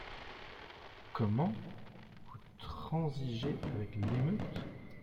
Comment ! vous transigez avec l’émeute ?